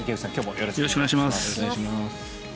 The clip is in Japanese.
よろしくお願いします。